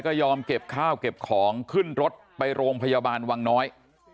ก็ยอมเก็บข้าวเก็บของขึ้นรถไปโรงพยาบาลวังน้อย